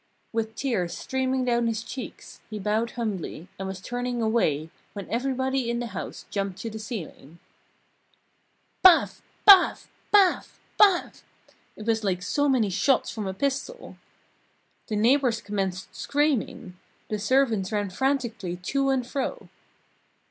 With tears streaming down his cheeks, he bowed humbly and was turning away, when everybody in the house jumped to the ceiling. "Paf! Paf! Paf! Paf!" It was like so many shots from a pistol. The neighbours commenced screaming. The servants ran frantically to and fro.